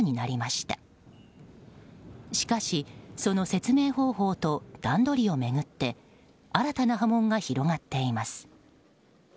しかし、その説明方法と段取りを巡って新たな波紋が広がっています。